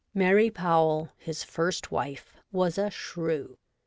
Mary Powell, his first wife, was a shrew.